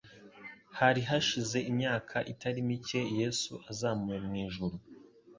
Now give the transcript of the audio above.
Hari hashize imyaka itari mike Yesu azamuwe mu ijuru